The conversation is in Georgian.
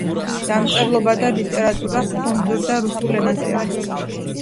დამწერლობა და ლიტერატურა ხუნძურ და რუსულ ენაზე აქვთ.